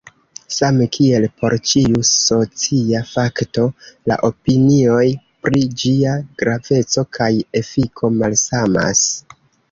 Same kiel por ĉiu socia fakto, la opinioj pri ĝia graveco kaj efiko malsamas.